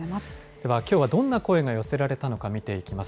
では、きょうはどんな声が寄せられたのか、見ていきます。